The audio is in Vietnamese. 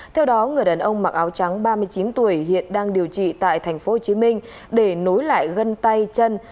theo đó người đàn ông mặc áo trắng ba mươi chín tuổi hiện đang điều trị tại tp hcm để nối lại gân tay chân